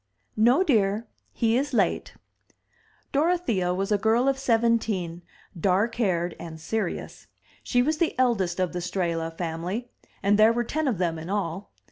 "No, dear. He is late." Dorothea was a girl of seventeen, dark haired and serious. She was the eldest of the Strehla family; and there were ten of them in all.